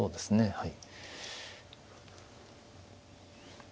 はい。